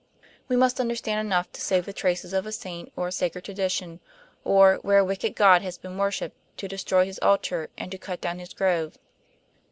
We must understand enough to save the traces of a saint or a sacred tradition, or, where a wicked god has been worshiped, to destroy his altar and to cut down his grove."